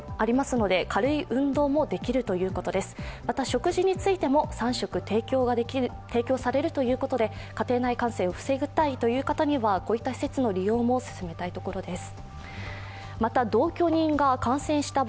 食事についても３食提供されるということで家庭内感染を防ぎたいという方にはこういった施設の利用も勧めたいところです。